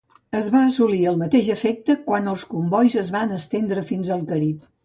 Es va assolir el mateix efecte quan els combois es van estendre fins al Carib.